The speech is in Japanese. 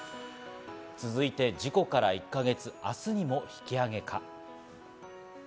続いて、事故から１か月、明日にも引き揚げか？